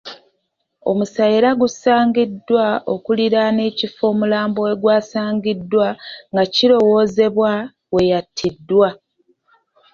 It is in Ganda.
Omusaayi era gusaangiddwa okuliraana ekifo omulambo wegwasangiddwa nga kirowoozebwa weyatiddwa.